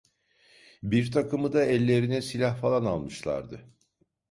Birtakımı da ellerine silah falan almışlardı.